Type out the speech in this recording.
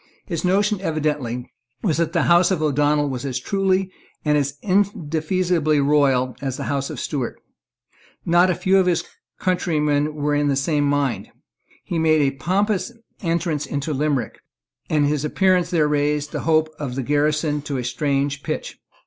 His notion evidently was that the House of O'Donnel was as truly and as indefeasibly royal as the House of Stuart; and not a few of his countrymen were of the same mind. He made a pompous entrance into Limerick; and his appearance there raised the hopes of the garrison to a strange pitch.